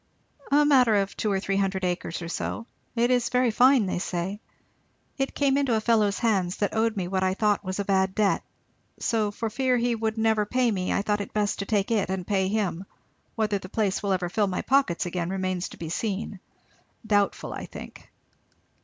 "A matter of two or three hundred acres or so. It is very fine, they say. It came into a fellow's hands that owed me what I thought was a bad debt, so for fear he would never pay me I thought best to take it and pay him; whether the place will ever fill my pockets again remains to be seen; doubtful, I think."